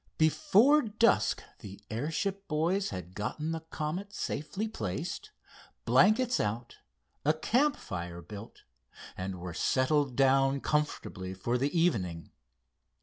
Before dusk the airship boys had gotten the Comet safely placed, blankets out, a campfire built, and were settled down comfortably for the evening.